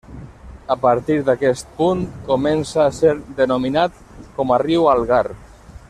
A partir d'aquest punt comença a ser denominat com a riu Algar.